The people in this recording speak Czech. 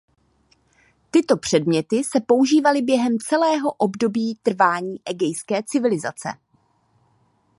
Tyto předměty se používaly během celého období trvání egejské civilizace.